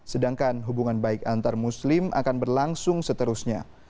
sedangkan hubungan baik antar muslim akan berlangsung seterusnya